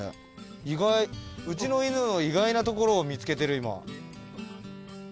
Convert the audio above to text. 意外うちの犬の意外なところを見つけてる今。